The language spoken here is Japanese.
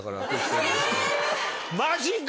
マジか！